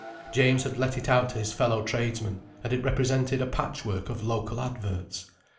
James had let it out to his fellow tradesmen, and it represented a patchwork of local adverts.